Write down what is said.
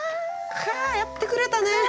かっやってくれたね。